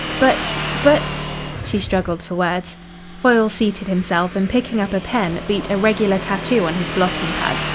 "But but " She struggled for words. Foyle seated himself, and picking up a pen beat a regular tattoo on his blotting pad.